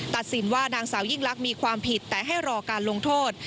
สินว่านางสาวยิ่งลักษณ์มีความผิดแต่ให้รอการลงโทษ